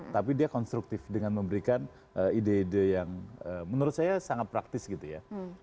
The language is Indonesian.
tapi dia konstruktif dengan memberikan ide ide yang menurut saya sangat praktis gitu ya